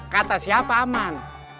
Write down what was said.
kata siapa aman